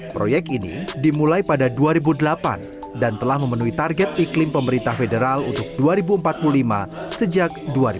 proyek ini dimulai pada dua ribu delapan dan telah memenuhi target iklim pemerintah federal untuk dua ribu empat puluh lima sejak dua ribu empat belas